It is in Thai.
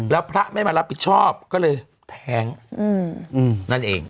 แล้วพระไม่มารับผิดชอบก็เลยแท้ง